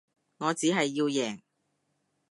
我只係要贏